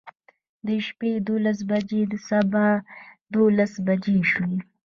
د شپې دولس بجې د سبا دولس بجې شوې.